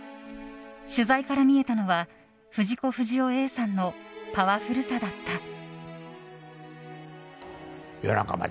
取材から見えたのは藤子不二雄Ａさんのパワフルさだった。